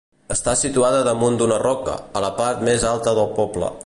Està situada damunt d'una roca, a la part més alta del poble.